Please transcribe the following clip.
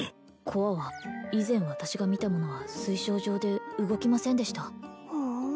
コアは以前私が見たものは水晶状で動きませんでしたふん